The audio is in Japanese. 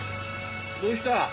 どうした？